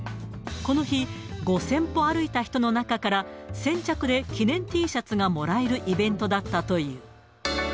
この日、５０００歩歩いた人の中から、先着で記念Ｔシャツがもらえるイベントだったという。